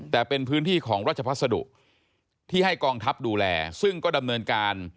แต่เป็นพื้นที่ของราชพัสดุที่ให้กองทัพดูแลซึ่งก็ดำเนินการ